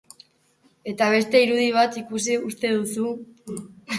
Eta beste irudi bat ikusi uste duzu...